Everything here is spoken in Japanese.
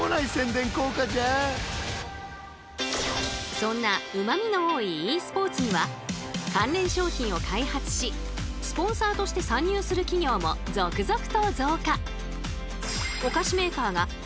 そんなうまみの多いｅスポーツには関連商品を開発しスポンサーとして参入する企業も続々と増加。